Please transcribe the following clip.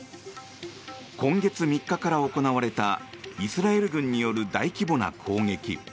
今月３日から行われたイスラエル軍による大規模な攻撃。